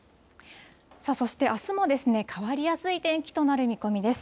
そしてあすも変わりやすい天気となる見込みです。